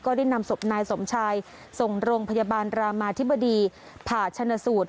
ได้นำศพนายสมชายส่งโรงพยาบาลรามาธิบดีผ่าชนะสูตร